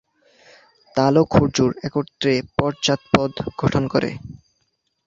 তাল ও খর্জুর একত্রে পশ্চাৎপদ গঠন করে।